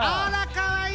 かわいい！